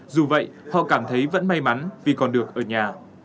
dù vậy họ cảm thấy vẫn may mắn vì còn được ở nhà